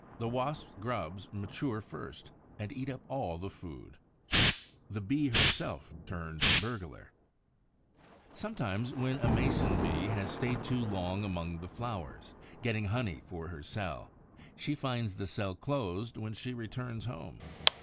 The Wasp's grubs mature first and eat up all the food. THE BEE HERSELF TURNED BURGLAR Sometimes, when a Mason bee has stayed too long among the flowers, getting honey for her cell, she finds the cell closed when she returns home.